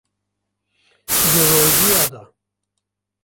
Di rojiya de